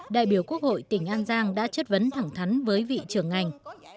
đại biểu quốc hội tỉnh an giang đã chất vấn thẳng thắn với vị trưởng ngành